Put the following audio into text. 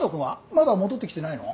まだ戻ってきてないの？